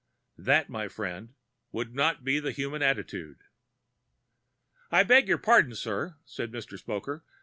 That, my friend, would not be the human attitude." "I beg pardon, sir," said Mr. Spoker.